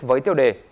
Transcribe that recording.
với tiêu đề